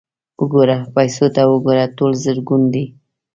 _وګوره، پيسو ته وګوره! ټول زرګون دي.